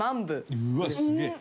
うわっすげえ！